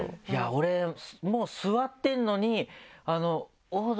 俺もう座ってるのに。